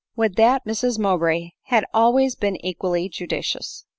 Would that Mrs Mowbray had always been equally judicious